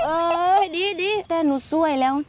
ดีแต่หนูสวยแล้ว